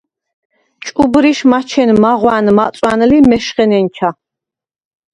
ჭუბრიშ მაჩენ მაღვან-მაწვან ლი მეშხე ნენჩა.